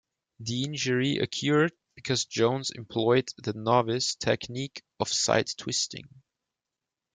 The injury occurred because Jones employed the novice technique of side twisting.